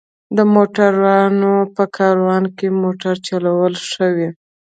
د موټرونو په کاروان کې موټر چلول ښه وي.